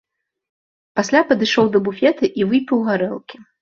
Пасля падышоў да буфета і выпіў гарэлкі.